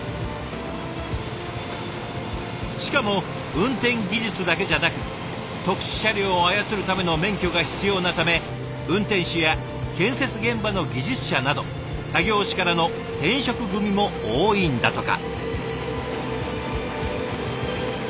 しかも運転技術だけじゃなく特殊車両を操るための免許が必要なため運転手や建設現場の技術者など他業種からの転職組も多いんだとか。